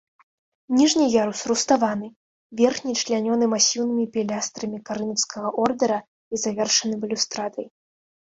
Ніжні ярус руставаны, верхні члянёны масіўнымі пілястрамі карынфскага ордара і завершаны балюстрадай.